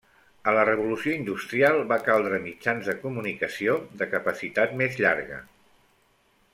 A la revolució industrial, va caldre mitjans de comunicació de capacitat més llarga.